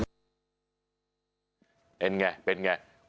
เป็นอย่างไรเป็นอย่างไร